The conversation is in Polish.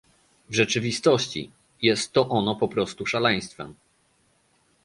W rzeczywistości, jest to ono po prostu szaleństwem